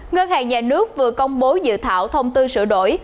ngân hàng nhà nước vừa công bố dự thảo thông tư sửa đổi